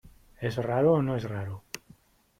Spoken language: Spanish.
¿ es raro o no es raro?